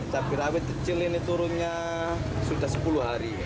cabai rawit kecil ini turunnya sudah sepuluh hari